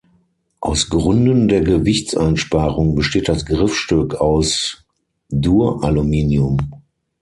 Aus Gründen der Gewichtseinsparung besteht das Griffstück aus Duraluminium.